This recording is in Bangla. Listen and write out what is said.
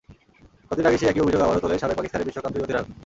কদিন আগে সেই একই অভিযোগ আবারও তোলেন সাবেক পাকিস্তানের বিশ্বকাপজয়ী অধিনায়ক।